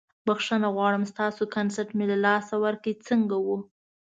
بخښنه غواړم ستاسو کنسرت مې له لاسه ورکړ، څنګه وه؟